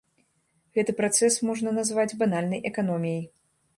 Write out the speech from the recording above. Гэты працэс можна назваць банальнай эканоміяй.